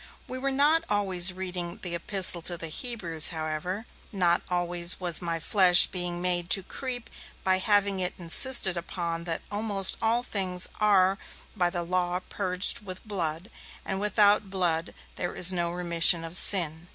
We were not always reading the 'Epistle to the Hebrews', however; not always was my flesh being made to creep by having it insisted upon that 'almost all things are by the Law purged with blood, and without blood is no remission of sin'.